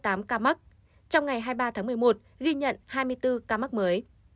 trong ngày hai mươi ba tháng một mươi một ghi nhận hai mươi bốn ca mắc mới